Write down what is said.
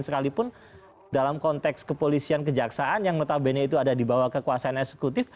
sekalipun dalam konteks kepolisian kejaksaan yang notabene itu ada di bawah kekuasaan eksekutif